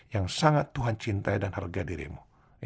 yang sangat tuhan cintai dan harga dirimu